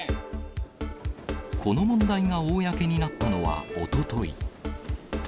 この問題が公になったのはおととい。